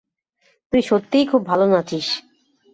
তুই সত্যিই খুব ভালো নাচিস।